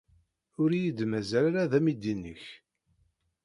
Ur iyi-d-mazal ara d amidi-nnek.